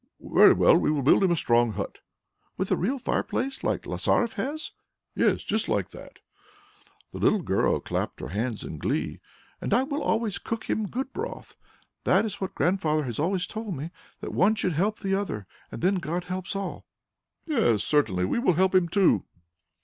"Very well; we will build him a strong hut." "With a real fire place like Lasaref has?" "Yes, just like that." The little girl clapped her hands in glee. "And I will always cook him good broth. That is just what Grandfather has always told me, that one should help the other, and then God helps all." "Yes, certainly. We will help him too."